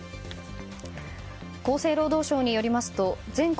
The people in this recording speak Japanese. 厚生労働省によりますと全国